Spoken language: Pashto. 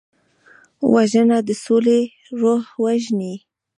وژنه د سولې روح وژني